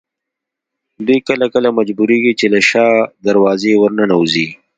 دوی کله کله مجبورېږي چې له شا دروازې ورننوځي.